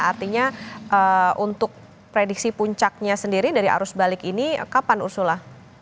artinya untuk prediksi puncaknya sendiri dari arus balik ini kapan ursula